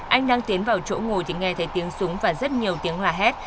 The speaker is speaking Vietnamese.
anh đang tiến vào chỗ ngồi thì nghe thấy tiếng súng và rất nhiều tiếng la hét